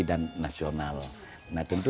dan nasional nah tentu